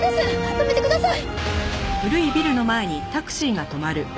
止めてください！